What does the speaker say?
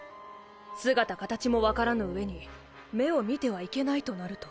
姿形もわからぬ上に目を見てはいけないとなると。